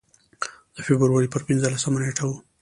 د فبروري پر پنځلسمه نېټه و.